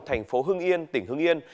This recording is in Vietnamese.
thành phố hưng yên tỉnh hưng yên